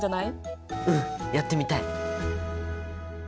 うんやってみたい！